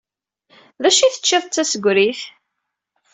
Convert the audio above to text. D acu i teččiḍ d tasegrit?